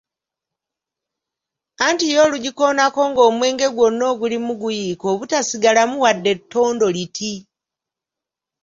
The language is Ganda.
Anti yo olugikoonako ng’omwenge gwonna ogulimu guyiika obutasigalamu wadde ettondo liti!